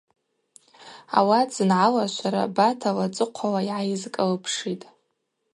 Ауат зынгӏалашвара Бата лацӏыхъвала йгӏайызкӏылпшитӏ.